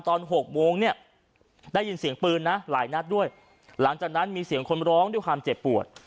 หกโมงเนี่ยได้ยินเสียงปืนนะหลายนัดด้วยหลังจากนั้นมีเสียงคนร้องด้วยความเจ็บปวด